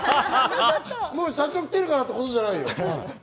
社長来てるからってことじゃないよ。